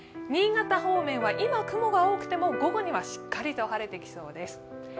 新潟方面は今、雲が多くても午後にはしっかり晴れてきそうです。